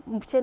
một tỷ đồng